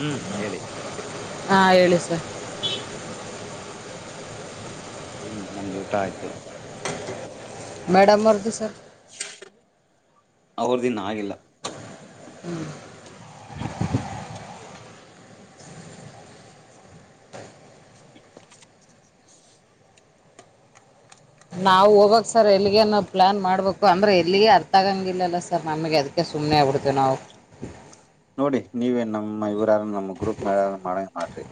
ಹ್ಮ್ ಹೇಳಿ ಹಾ ಹೇಳಿ ಸರ್ ಹ್ಮ್ ನಮ್ದು ಊಟ ಆಯ್ತು ಮೇಡಮ್ ಅವರದು ಸರ್ ಹ ಅವ್ರದ್ದಿನ ಆಗಿಲ್ಲ ಹ್ಮ್ ನಾವು ಹೋಗ್ಕ್ ಸರ್ ಎಲ್ಲಿಗೆನ ಪ್ಲಾನ್ ಮಾಡ್ಬೇಕು ಅಂದ್ರೆ ಎಲ್ಲಿಗೆ ಅರ್ಥ ಆಗಂಗಿಲ್ಲಲ್ಲ ಸರ್ ನಮಗೆ ಅದಕ್ಕೆ ಅದಕ್ಕೆ ಸುಮ್ಮನೆ ಆಗಿ ಬಿಡ್ತೀವಿ ನಾವು ನೋಡಿ ನೀವ ನಮ್ಮ ಇವ್ರ ಯಾರ ನಮ್ಮ ಗ್ರೂಪ್ ಮಾಡಂಗ ಮಾಡ್ರಿ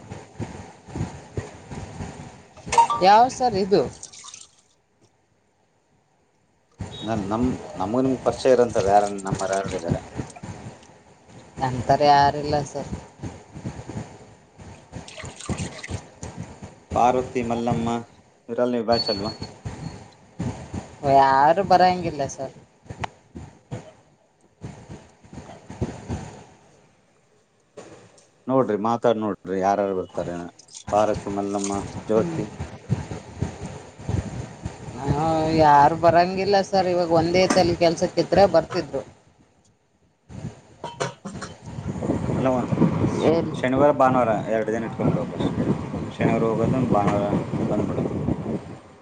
ಯಾವ ಸರ್ ಇದು ನಮಗ ನಿಮಗ ಪರಿಚಯ ಇರುತ್ತೆ ಅದು ಯಾರ ನಮ್ಮರ ಯಾರ ಇದ್ದಾರೆ ಅಂತವರ ಯಾರಿಲ್ಲ ಸರ್ ಪಾರ್ವತಿ ಮಲ್ಲಮ್ಮ ಇವರೆಲ್ಲ ನೀವು ಬ್ಯಾಚ ಅಲ್ವಾ ಯಾರು ಬರಂಗಿಲ್ಲ ಸರ್ ನೋಡ್ರಿ ಮಾತಾಡ್ ನೋಡ್ರಿ ಯಾರಾರು ಬರ್ತಾರೆ ಪಾರ್ವತಿ ಮಲ್ಲಮ್ಮ ಜ್ಯೋತಿ ಈಗ ಯಾರು ಬರಂಗಿಲ್ಲ ಸರ್ ಇವಾಗ ಒಂದೇ ತಲ್ಲಿ ಕೆಲಸಕ್ಕ ಇದ್ರೆ ಬರ್ತಿದ್ರು ಮಲ್ಲವ್ವ ಎಲ್ಲಿ ಶನಿವಾರ ಭಾನುವಾರ ಎರಡು ದಿನ ಇಟ್ಕೊಂಡ್ ಬಿಡಬೇಕು ಅಷ್ಟೇ ಶನಿವಾರ ಹೋಗೋದು ಭಾನುವಾರ ಬಂದ್ಬಿಡೋದು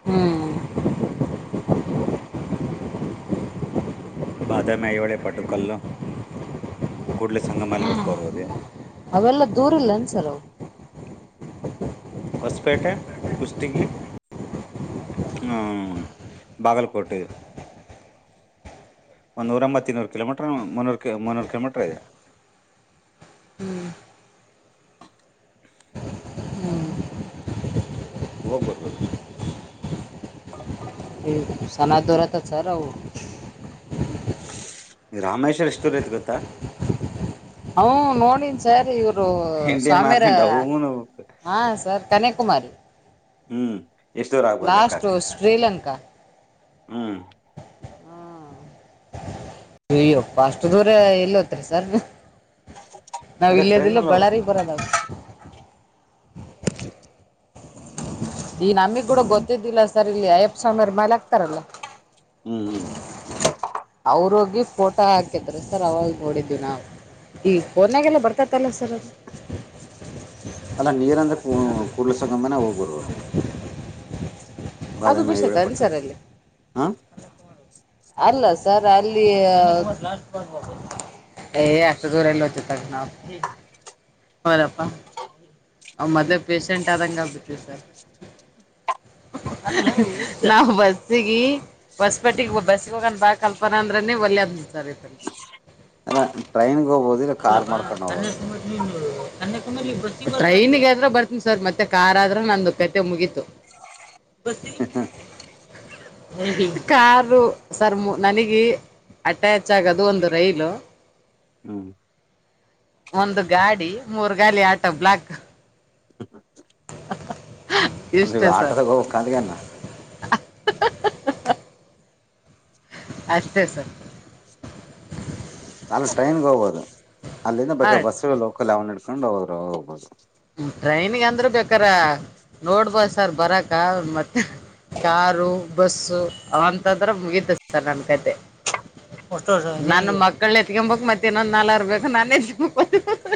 ಹ್ಮ್ ಬಾದಾಮಿ ಐಹೊಳೆ ಪಟ್ಟದಕಲ್ಲು ಕೂಡ್ಲ ಸಂಗಮಲ್ಲಿ ನೋಡ್ಕೋರ್ಬೋದು ಅವೆಲ್ಲ ದೂರ ಇಲ್ಲ ಏನ್ ಸರ್ ಅವು ಹೊಸಪೇಟೆ ಕುಷ್ಟಗಿ ಹ್ಮ ಬಾಗಲಕೋಟೆ ಒನ್ನೂರ ಮತ್ತ ಇನ್ನೂರ ಕಿಲೋಮೀಟರ್ ಮುನ್ನೂರು ಕಿಲೋಮೀಟರ್ ಇದೆ ಹೋಗಬೇಕ ಬೈ ಸನಾ ದೂರ ಆತವ ಸರ್ ಅವು ರಾಮೇಶ್ವರ್ ಎಷ್ಟ ದೂರ ಐತಿ ಗೊತ್ತಾ ಹ ನೋಡೀನಿ ಸರ್ ಇವರು ಇಂಡಿಯಾ ಮ್ಯಾಪ್ ಸ್ವಾಮ್ಯರ ಡೌನ್ ಹೋಗ್ಬೇಕು. ಹಾ ಸರ್ ಕನ್ಯಾಕುಮಾರಿ ಹ್ಮ್ ಎಷ್ಟ್ ದೂರ ಆಗ್ಬೋದು ಲೆಕ್ಕ ಲಾಸ್ಟ ಹಾಕಿ ಶ್ರೀಲಂಕಾ ಹ್ಮ್ ಅಯ್ಯಪ್ಪ ಅಷ್ಟು ದೂರ ಎಲ್ಲಿ ಹೋಗ್ತಿರ ಸರ್ ನೀವು. ನಾವ್ ಅದೇ ಟ್ರೈನ್ ಇಲ್ಲದಿಲೆ ಅಲ್ಲಿ ಬಳ್ಳಾರಿ ಹೋಗ್ಬೇಕು ಬರೋದಾಗ ಈ ನಮ್ಮಿಗ್ ಕೂಡ ಗೊತ್ತಿದ್ದಿಲ್ಲ ಸರ್ ಇಲ್ಲಿ ಅಯ್ಯಪ್ಪ ಸ್ವಾಮೀರ್ ಮಾಲೆ ಆಕ್ತಾರಲ್ಲ ಹ್ಮ್ ಹ್ಮ್ ಅವ್ರೋಗಿ ಫೋಟೋ ಹಾಕಿದ್ರು ಸರ್ ಅವಾಗ್ ನೋಡಿದ್ವಿ ನಾವು. ಈಗ್ ಫೋನ್ಯಾಗೆಲ್ಲ ಬರ್ತೈತಲ್ಲ ಸರ್ ಅದು ಅಲ್ಲಾ ನೀರ್ ಅಂದ್ರೆ ಕೂರ್ಲಸಗಂತನ ಹೋಗ್ಬರ್ಬೋದು ಅದು ಬೇಸಿ ಐಹೊಳೆ ಐತಿಏನ ಪಟ್ಟು ಸರ್ ಅಲ್ಲಿ [inaudible] ಹ ಅಲ್ಲ ಸರ್ ಅಲ್ಲಿ.. ಏ ಅಷ್ಟು ದೂರ ಎಲ್ಲಿ ಹೋಗ್ತಿತ್ತು ನಾವು ನೋಡಪ್ಪ ಅವ ಮೊದಲೆ ಪೇಷೆಂಟ್ ಆದಂಗ್ ಆಗ್ ಬಿಟ್ಟಿದ್ದ. [inaudible] ನಾವು ಬಸ್ಸಿಗೀ ವಸ್ ಪೇಟೆಗೆ ಬಸ್ಗ ಹೋಗ್ ಬಾ ಕಲ್ಪನ ಅಂದ್ರೆ ನೀ ಒಲ್ ಅಂತರೀ ಸರ್ ಅಲ್ಲ ಟ್ರೈನ್ಗೆ ಹೋಗ್ಬೋದು ಇಲ್ಲ ಕಾರ್ ಅಲ್ಲವಾ ಮಾಡ್ಕೊಂಡ್ ಹೋಗ್ಬೋದು ಕನ್ಯಾಕುಮಾರಿ ನೀನು ಕನ್ಯಾಕುಮಾರಿ ಭರ್ತಿ ಟ್ರೈನಿಗೆ ಆದ್ರ ಬರ್ತೀನಿ ಸರ್ ಮತ್ತೆ ಕಾರ್ ಆದ್ರ ನಂದು ಕತೆೆ ಮುಗೀತು. ಬರ್ತೀ ಕಾರು ಸರ್ ಮು ನನಗಿ ಅಟ್ಯಾಚ್ ಆಗೋದು ಒಂದು ರೈಲು. ಹ್ಮ್ ಒಂದು ಗಾಡಿ, ಮೂರ್ ಗಾಲಿ ಆಟೋ ಬ್ಲಾಕ್ ಇಷ್ಟೇ ಅಂದ್ರಿವಾಗ ಸರ್ ಆಟದಗ್ ಹೋಗೋಕಾಗ್ಲಾನ ಅಷ್ಟೇ ಸರ್. ಅಲ್ಲಿ ಟ್ರೈನ್ ಹೋಗಬಹುದು ಅಲ್ಲಿಂದ ಬೇಕಾದ್ರೆ ಹಾರ್ಟ್ ಬಸ್ ಲೋಕಲ್ ಯಾವನ ಹಿಡ್ಕೊಂಡು ಅವ್ರು ಹೋಗ್ಬಹುದು. ಟ್ರೈನಿಗೆ ಅಂದ್ರ ಬೇಕಾರ ನೋಡ್ಬೋದ ಸರ್ ಬರಕಾಗದ್ ಮತ್ತೆ. ಕಾರು ಬಸ್ಸು ಅವಂತದ್ರೆ ಮುಗಿತು ಸರ್ ನನ್ ಕತೆೆ. ನನ್ ಮಕ್ಳ ಎತ್ಕೊಂಬಬೇಕಕ್ ಮತ್ತೆ ಇನ್ನೊಂದ ನಾಲ್ರ್ ಬಬೇಕು ನಾನನ್ ಎತ್ಬೇಕಕ್ [inaudible]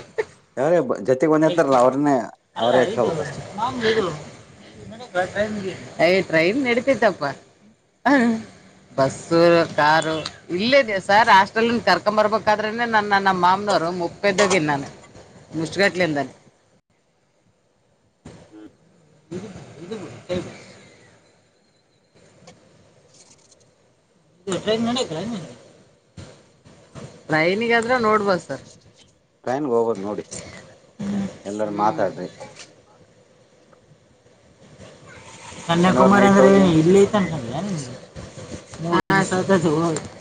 ಯಾರೇ ಜೊತೇಗ್ ಬಂದಿರ್ತಾರಲ್ಲ ಅವ್ರನ್ನೇ ಅಲ್ಲ ಅವರೇ ಇದು ಎತ್ಕಬೇಕಷ್ಟೇ. [unintelligible] ಟ್ರೈನ್ ನಡತೈತ್ತಪ್ಪ ಹಾ.. ಬಸ್ಸು, ಕಾರು. ಇಲ್ಲೇ ಇದ್ದೆ ಸಾರ್ ಹಾಸ್ಟೆಲ್ನಿಂದ ಕರ್ಕೊಂಬರ್ಬೇಕಾದ್ರೆನೆ ನನ್ನ ನಮ್ ಮಾಮ್ನರು ಮು ಪೆದ್ದಗಿನಾನು ಮುಷ್ಟುಗಟ್ಲೆಂದಲೆ ಇದು ಇದು [unintelligible] ನೀವ್ ಅಟೆಂಡ್ ಮಾಡಿದ್ರ? ಟ್ರೈನಿಂಗ್ ಆದ್ರ ನೋಡ್ಬೋದು ಸರ್. ಟೈಮ್ ಓವರ್ ನೋಡಿ ಎಲ್ಲಾರ್ ಹ್ಮ್ ಮಾತಾಡ್ರಿ ಶನಿವಾರ ನೈಟ್ ಹೋಗಿ [unintelligible]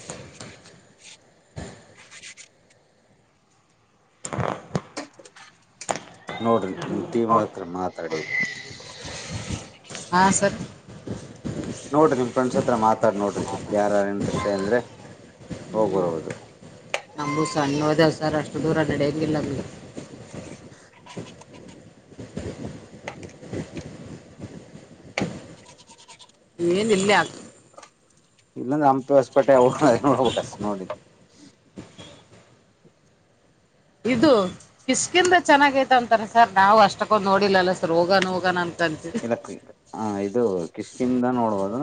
ನೋಡ್ರಿ ನಿಮ್ ಟೀಮ್ ಅವ್ರು ಹತ್ರ ಮಾತಾಡಿ. ಹಾ ಸರ್. ನೋಡ್ರಿ ನಿಮ್ ಫ್ರೆಂಡ್ಸ್ ಹತ್ರ ಮಾತಾಡಿ ನೋಡ್ರಿ ಯಾರ್ ಯಾರಿಗ್ ರ್ಇಂಟ್ರೆಸ್ಟ್ ಇದೆ ಅಂದ್ರೇ ಹೋಗ್ಬಹುದು. ನಮಗೂ ಸಣ್ಣ ಹ ದೇವಸಾರ ಅಷ್ಟು ದೂರ ನಡ ಹಂಗಿಲ್ಲ ಅ [unintelligible] [inaudible] ನೀನ್ ಇಲ್ಲೆ ಆಗ್ ಇಲ್ಲಂದ ಅಮಪ ವಸ್ಪೇೆ ನೋ ನೋಡಿದ್ದ [unintelligible] ಇದು ಕಿಸ್ಕಿಂದ ಚೆನ್ನಾಗಐತಿ ಅಂತಾರೆ ಸರ್ ನಾವು ಅಷ್ಟಕ್ಕೊಂದು ನೋಡಿಲ್ಲಲ್ಲ ಸರ್ ಹೋಗನ್ ಹೋಗನ್. ಹ ಇದು ಕಿಸ್ಕಿಂಧ ನೋಡ್ಬೋದು.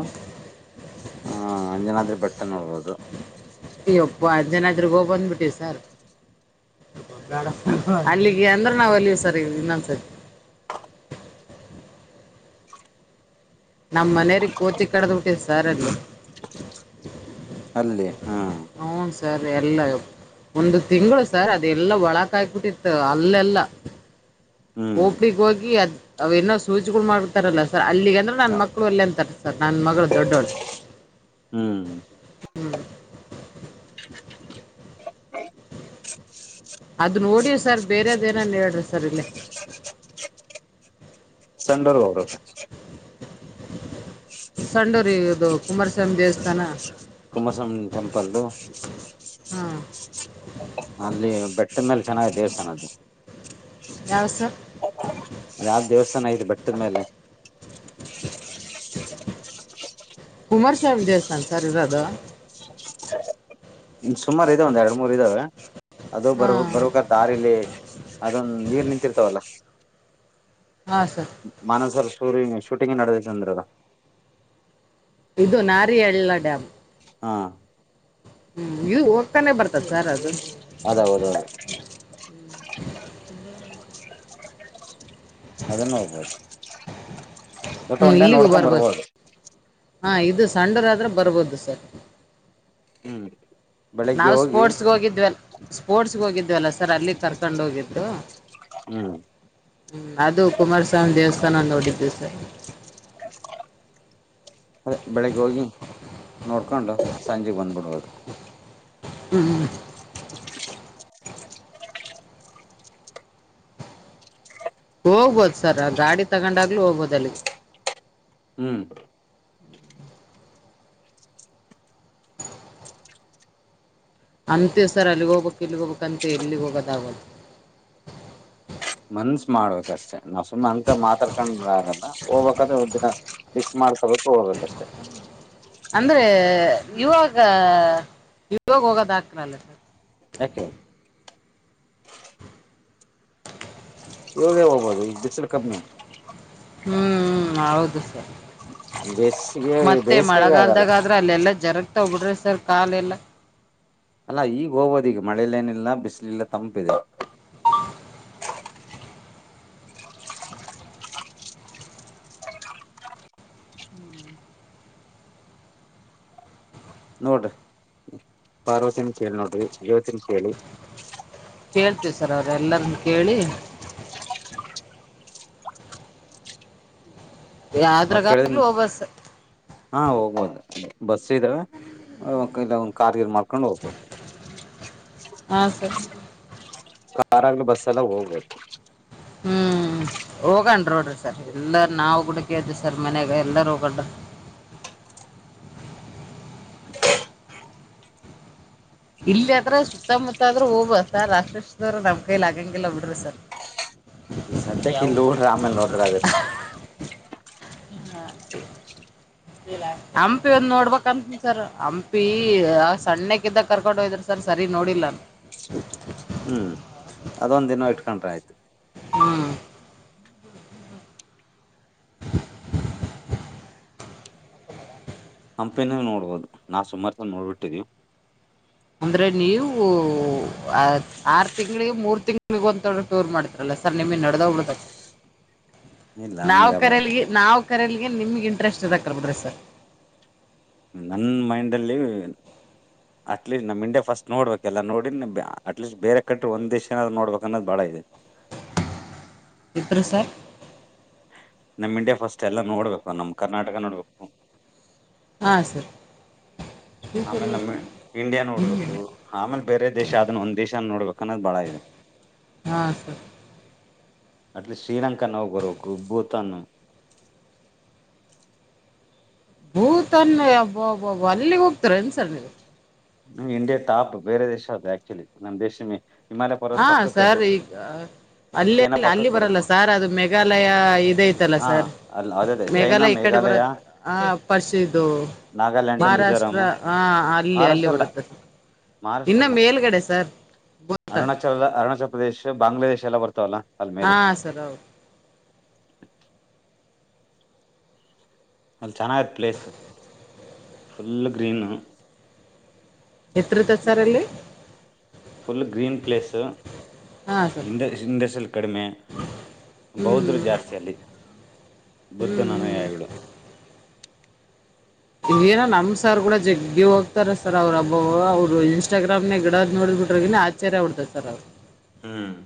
ಹ ಅಂಜನಾದ್ರಿ ಬೆಟ್ಟ ನೋಡ್ಬೋದು. ಎಪ್ಪ ಆಂಜನಾದ್ರಿಗೆ ಹೋಗ್ಬಂದ್ಬಿಟ್ಟಿವಿ ಸರ್. ಅಲ್ಲಿಗೆ ಅಂದ್ರೆ ನಾವ್ ಒಲ್ವಿ ಸರ್ ಇನ್ನೊಂದ್ಸರಿ. ನಮ್ಮ್ ಮನೆವ್ರಿಗೆ ಕೋತಿ ಕಡ್ದ್ಬಿಟಿತ್ತು ಸರ್ ಅಲ್ಲಿ. ಅಲ್ಲಿ ಹಾ ಹ್ಮ್ ಸರ್ ಎಲ್ಲ ಒಂದು ತಿಂಗಳು ಸರ್ ಅದೆಲ್ಲ ಒಳಕ್ ಹಾಕ್ಬಿಟ್ಟಿತ್ತು ಹಲ್ಲೆಲ್ಲ. ಹ್ಮ್ ಒಪಿಡಿ ಹೋಗಿ ಅವೇನೋ ಸೂಜಿಗಳು ಮಾಡತಗರಾಲ ಸರ್ ಅಲ್ಲಿಗೆ ಅಂದ್ರ ನನ್ನ ಮಕ್ಕಳು ಒಲ್ಯ ಅಂತಾರ. ಸರ್ ನನ್ನ ಮಗಳು ದೊಡ್ಡೋಳು ಹ್ಮ್ ಹ್ಮ್ ಹ ಅದ ನೋಡಿವಿ ಸರ್ ಬೇರೆದ್ ಏನನ್ ಹೇಳ್ರಿ ಸರ್ ಇಲ್ಲಿ. ಸಂಡೊರ್ ಅವರು ಸಂಡೂರ್ ಇದು ಕುಮಾರಸ್ವಾಮಿ ದೇವಸ್ಥಾನ ಕುಮಾರಸ್ವಾಮಿ ಟೆಂಪಲ್ದ್ ಹಾ ಅಲ್ಲಿ ಬೆಟ್ಟದ ಮೇಲೆ ಚೆನ್ನಾಗಾಗಿದೆ ದೇವಸ್ಥಾನದ್ದು. ಯ್ಯಾವ್ದ್ ಸರ್ ಮ್ಯಾಗ್ ದೇವಸ್ಥಾನ ಐತಿ ಬೆಟ್ಟದ ಮೇಲೆ ಕುಮಾರಸ್ವಾಮಿ ದೇವಸ್ಥಾನ್ ಸಾರ್ ಇರದು ಹ್ಮ್ ಸುಮಾರ್ ಇದಾವ ಒಂದ್ ಎರಡು ಮೂರ್ ಇದಾವೆ ಅದು ಹಾ ಬರ್ಬೇಕು ದಾರಿಲೆ ಅದೊಂದು ನೀರ್ ನಿಂತಿರ್ತವಲ್ಲ. ಹಾಂ ಸರ್ ಮಾನಸರ [unintelligible] ಶೂಟಿಂಗ್ ನಡದೈತೆ ಅಂದ್ರಲ. ಇದು ನಾರಿಹಳ್ಳ ಡ್ಯಾಮ್. ಹಾ ಹ್ಮ್ ಇದು ಹೋಗ್ತಾನೆ ಬರ್ತದ ಸರ್ ಅದು. ಅದ ಹೌದೌದ ಅದನ್ನು ಹೋಗ್ಬೋದು ಒಟ್ಟು ಹ್ಮ್ ಒನ್ ಡೆ ಇಲ್ಲಿಗೂ ನೋಡ್ಕೊಂಡ್ ಬರ್ಬೋದು. ಹಾ ಇದು ಸಂಡೂರ ಆದ್ರೆ ಬರ್ಬೋದು ಸರ್. ಹ್ಮ್ ಬೆಳಿಗ್ಗೆ ನಾವು ಹೋಗಿ ಸ್ಪೋರ್ಟ್ಸ್ಗೆ ಹೋಗಿದ್ವಲ್ಲ ಸ್ಪೋರ್ಟ್ಸ್ಗೆ ಹೋಗಿದ್ವಲ್ಲ ಸರ್ ಅಲ್ಲಿ ಕರ್ಕೊಂಡು ಹೋಗಿದ್ರು. ಹ್ಮ್ ಹ್ಮ್ ಅದು ಕುಮಾರಸ್ವಾಮಿ ದೇವಸ್ಥಾನ ನೋಡಿದವಿ ಸರ್. ಅದೇ ಬೆಳಿಗ್ಗೆ ಹೋಗಿ ನೋಡ್ಕೊಂಡು ಸಂಜೆಗ್ ಬಂದ್ಬಿಡಬೋದ್. ಹ್ಮ್ ಹೋಗ್ಬೋದು ಸರ್ ಗಾಡಿ ತಗೊಂಡಾಗ್ಲಿ ಹೋಗಬೋದು ಅಲ್ಲಿಗೆ. ಹ್ಮ್ ಅಂತೆ ಸರ್ ಅಲ್ಲಿಗ್ ಹೋಗ್ಬೇಕು ಇಲ್ಲಿ ಹೋಗ್ಬೇಕ್ ಅಂತೆ ಎಲ್ಲಿಗೆ ಹೋಗದ ಆಗಒಲ್ತ್. ಮನ್ಸ್ ಮಾಡ್ಬೇಕಕ್ಷ್ಟೇ ನಾವ್ ಸುಮ್ಮ್ನೆ ಅಂಕ ಮಾತಾಡ್ಕೊಂಡ ಆಗಲ್ಲ ಹೋಗ್ಬೇಕಾದ್ರೆ ಒಒಂದ್ ದಿನ [unintelligible] ಮಾಡ್ಕೋಬೇಕು ಹೋಗ್ಬೇಕಷ್ಟೆ ಅಂದ್ರೆ ಇವಾಗ ಇವಾಗ ಹೋಗೋದ ಹಾಕ್ರಲ್ಲ ಸರ್. ಯಾಕೆ? ಇವೋಗೇ ಹೋಗಬಹದು ಈಗ್ ಬಿಸಲು ಕಮ್ಮಿು. ಹ್ಮ್ ಹೌದು ಸರ್ ಬೇಸಿಗೆ ಮತ್ತೆ ಬೇಸಿಗೆಗೆ ಆಗಲ್ಲ ಮಳೆಗಾಲದಾಗಾದ್ರೆ ಅಲ್ಲೆಲ್ಲಾ ಜರಗ್ತಾ ಹ್ ಬಿಿಡ್ರಿ ಸರ್ ಕಾಲ ಎಲ್ಲಾ ಅಲ್ಲಾ ಈಗ ಹೋಗಬಹುದು ಈಗ ಮಳೇಲಿ ಏನಿಲ್ಲ ಬಿಸಿಲಲ್ಲ ತಂಪಿದೆ ನೋಡ್ರಿ ಪಾರ್ವತಿನ ಕೇಳಿ ನೋಡ್ರಿ ಜ್ಯೋತಿನ ಕೇಳಿ ಕೇಳ್ತೇವಿ ಸರ್ ಅವ್ರ ಎಲ್ಲರನ್ನ ಕೇಳಿ ಅವರು ಕೇಳಿದ ಯಾವ್ದ್ರಾಗ್ಲೂ ಹೋಗ್ಬೋದು ಸರ್ ಹಾ ಹೋಗ್ಬೋದು ಬಸ್ ಇದ್ದಾವೆ ಇಲ್ಲ ಒಂದು ಕಾರ್ ಗೇರ್ ಮಾಡ್ಕೊಂಡು ಹೋಗೋದು ಹಾ ಸರ್ ಕಾರ್ ಆಗ್ ಬಸ್ ಎಲ್ಲ ಹೋಗಬಹುದು ಹ್ಮ್ ಹೋಗಣ ನೋಡ್ರಿ ಸರ್ ಎಲ್ಲಾರ ನಾವವು ಗುಡಕದ್ದ ಸರ್ ಮನ್ಯಾಗ ಎಲ್ಲಾರ ಹೋಗೊಂಡ್ರ ಇಲ್ಲಿ ಆದ್ರ ಸುತ್ತಮುತ್ತ ಆದ್ರೂ ಹೋಗೋದು ಸರ್ ರಾತ್ರಿ ಎಲ್ಲ ಸುತ್ತಾಡೋಕೆ ನಮ್ ಕೈಲಿ ಆಗಂಗಿಲ್ಲ ಬಿಡ್ರಿ ಸರ್ ಸದ್ಯಕ್ಕೆ ಇಲ್ಲಿ ಯಾವುದು ನೋಡ್ರ ಆಮೇಲೆ ನೋಡ್ರ ಆಗುತ್ತೆ ಹಾ [unintelligible] ಹಂಪಿ ಒಂದ್ ನೋಡ್ಬೇಕಂತನ್ ಸರ್ ಹಂಪಿ ಸಣ್ಣ ಕ್ದ ಕರ್ಕೊಂಡು ಹೋಯದ್ರ ಸರ್ ಸರಿ ನೋಡಿಲ್ಲ ಹ್ಮ್ ಅದೊಂದ್ ದಿನ ಇಟ್ಕೊಂಡ್ರೆ ಆಯ್ತು ಹ್ಮ್ ಹಂಪಿನಾಗ ನೋಡ್ಬೋುದು ನಾವು ಸುಮಾರು ಸ ನೋಡ್ಬಿಟ್ಟಿದೀವಿ ಅಂದ್ರೆ ನೀವು ಆರು ತಿಂಗಳಿಗೆ ಮೂರು ತಿಂಗಳಿಗ ಒಂತ ಟೂರ್ ಮಾಡ್ತರಲ್ಲ ಸರ್ ನಿಮ್ಮ ನಡೆದೋಗಿಳಬೇಕತೆ [unintelligible] ಇಲ್ಲ ನಾವ್ ನಮ್ಗೆ ಕರಲ್ಗೆ ನಾವ್ ಕರೆಯಲಿಗೆ ನಿಮ್ಗೆ ಇಂಟ್ರೆಸ್ಟ್ ಇದ ಕರ್ಬದ್ರಿ ಸರ್ ನನ್ನ ಮೈಂಡಲ್ಲಿ ಅಟ್ ಲೀಸ್ಟ್ ನಮ ಇಂಡಿಯಾ ಫಸ್ಟ್ ನೋಡ್ಬೇಕಕ್ಲ್ಲ ನೋಡ ಅಟ್ಲೀಸ್ಟ್ ಬೇರೆ ಕಂಟ್ರಿ ಒಂದ ದೇಶನ ನೋಡ್ಬೇಕುನ್ನದು ಬಾಳ ಇದೆ ಎತ್ರರು ಸರ್ ನಮ್ ಇಂಡಿಯಾ ಫಸ್ಟ್ ಎಲ್ಲ ನೋಡ್ಬೇಕು ನಮ್ ಕರ್ನಾಟಕ ನೋಡ್ಬೇಕು ಹಾಂ ಸರ್ ಆಮೇಲೆ ನಮ ಇಂಡಿಯಾ ನೋಡ್ಬೇಕು ಆಮೇಲೆ ಬೇರೆ ದೇಶ ಅದನ್ನ ಒಂದ ದೇಶ ನೋಡ್ಬೇಕ ಅನ್ನದ್ ಬಾಳ ಇದೆ ಹಾಂ ಸರ್ ಅಟ್ಲಿಸ್ಟ್ ಶ್ರೀಲಂಕ ನೋಡಿ ಬರಬೇಕು ಭೂತಾನ್ ಭೂತನ್ಬ್ಬಬಬ ಅಲ್ಲಿಗೆ ಹೋಗ್ತಾರೆ ಅನ್ಸರ್ ನೀವು ನಮ್ಗೆ ಇಂಡಿಯಾ ಟಾಪ್ ಬೇರೆ ದೇಶ ಅ ಆಕ್ಚುಲಿ ನಮ್ ದೇಶ ಹಿಮಾಲಯ ಪರ್ವತ ಹಾ ಪಕ್ಕಕ್ ಐತೆ ಸರಿ ಈಗ ಅಲ್ಲೇ ಚೈನಾ ಅಲ್ಲಿ ಪಕ್ಕಕ್ ಬರಲ್ಲ ಬರುತ್ತೆ ಸಾರ್ ಅದು ಮೇಘಾಲಯ ಇದ ಐತಲ್ಲ ಹಾ ಸಾರ್ ಅಲ್ಲ ಅದೇ ಚೈನಾ ಮೇಘಾಲಯ ಈ ಕಡೆ ಬರತ್ ಆ ಫಸ್ಟ್ ಇದು ನಾಗಾಲ್ಯಾಂಡ್ ಮಹಾರಾಷ್ಟ್ರ ಮಿಜೋರಾಮ್ ಹಾಂ ಅಲ್ಲಿ ಅಲ್ಲಿ ಮಹಾರಾಷ್ಟ್ರ ಅಲ್ಲ ಬರುತ್ತೆ ಸರ್ ಮಹಾರಾಷ್ಟ್ರ ಇನ್ನೂ ಅಲ್ಲ ಮೇಲುಗಡೆ ಸರ್ ಗೊತ್ತಲ್ಲ ಅರುಣಾಚಲ ಅರುಣಾಚಲ ಪ್ರದೇಶ ಬಾಂಗ್ಲಾದೇಶ ಎಲ್ಲ ಬರ್ತವಲ್ಲ ಹಾ ಸರ್ ಹೌದು ಅಲ್ಲಿ ಚೆನ್ನಾಗಿರುತ್ತೆ ಪ್ಲೇಸ್ ಫುಲ್ ಗ್ರೀನು ಎತ್ರರುತ ಸರ್ ಅಲ್ಲಿ ಫುಲ್ ಗ್ರೀನ್ ಪ್ಲೇಸು ಹಾ ಸರ್ ಹಿಂದ ಹಿಂದಸಲ್ ಕಡಿಮೆ ಬೌದರು ಹ್ಮ್ ಜಾಸ್ತಿ ಅಲ್ಲಿ ಬುದ್ಧನ ಹ್ಮ್ ಅನುಯಾಯಿಗಳು ಈಗ ಏನ ನಮ್ಮ್ ಸರಗೋಳ ಜಗ್ಗಿ ಹೋಗ್ತರ ಸರ್ ಅವ್ರ ಹಬ್ಬ ಅವರು ಇನ್ಸ್ಟಾಗ್ರಾಮನಾಗ ಇಡದ್ ನೋಡಿ ಬಿಟ್ರ ಇನ್ [unintelligible] ಹ್ಮ್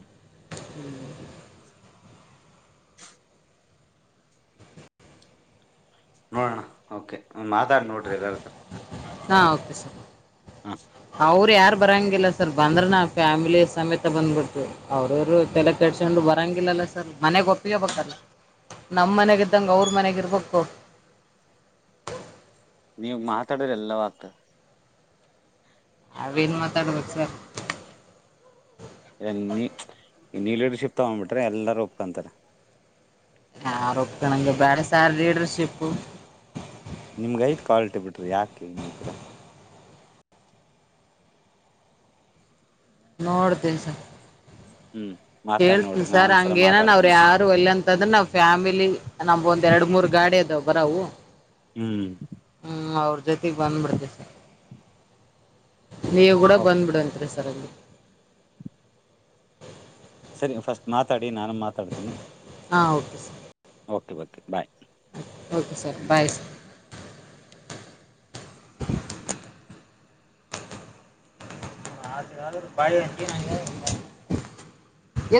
ನೋಡೋಣ ಓಕೆ ಮಾತಾಡ ನೋಡ್ರಿ ಎಲ್ಲರತ್ರ ಹಾಂ ಓಕೆ ಸರ್ ಹ್ಮ ಸ್ ಅವ್ರ ಯಾರ ಬರಂಗಿಲ್ಲ ಸರ್ ಬಂದ್ರ ನಾ ಫ್ಯಾಮಿಲಿ ಸಮೇತ ಬಂದ ಬಿಡತ್ತಿವ. ಅವ್ರರು ತಲೆ ಕೆಡಸಗೊಂಡು ಬರಂಗಿಲ್ಲಲ್ಲ ಸ್ ಮನೆಗ ಒಪ್ಪಿಗೆ ಬೇಕಲ್ಲ ನಮ್ಮ ಮನೆಗ ಇದ್ದಂಗ ಅವ್ರ ಮನೆಗೆ ಇರ್ಬೇಕು ನೀವ ಮಾತಾಡಿದ್ರ ಎಲ್ಲವೂ ಆಗ್ತದ್ ನಾವೇನ್ ಮಾತಾಡ್ಬೇಕ ಸರ್. ಇ ನೀ ನೀ ಲೀಡರ್ಶಿಪ್ ತಗೊಂಬಿಟ್ರೆ ಎಲ್ಲರೂ ಒಪ್ಕೊಂತಾರೆ. ಯಾರು ಓಪಕನ್ನಂಗ ಬ್ಯಾಡ ಸಾರ್ ಲೀಡರ್ಶಿಪ್. ನಿಮ್ಗ್ ಐತಿ ಕ್ವಾಲಿಟಿ ಬಿಡ್ರಿ ಯಾಕ ಹಿಂಗತೀರ. ನೋಡ್ತೇನ್ ಸ ಹ್ಮ. ಕೇಳ್ತನ ಸರ್ ಹಂಗೇನನ್ ಅವರ ಯಾರ ವಲ್ಲಂತಂದ್ರ ನಾವು ಫ್ಯಾಮಿಲಿ ನಮ್ ಒಂದ ಎರಡ್ ಮೂರ್ ಗಾಡಿ ಅದಾವ ಬರವು ಹ್ಮ್. ಹ್ಮ ಅವ್ರ ಜೊತಿಗ ಬಂದ್ಬಿಡ್ತನ ಸ್ ನೀವ ಕೂಡ ಓಕೆ ಬಂದ್ಬಿಡುವಂತ್ರೆ ಸರ್ ಅಲ್ಲಿ. ಸರಿ ಮಾ ಫಸ್ಟ್ ಮಾತಾಡಿ ನಾನು ಮಾತಾಡ್ತೀನಿ. ಹಾ okay sir. Okay okay bye. Okay sir ಬಾಯ್ [unintelligible]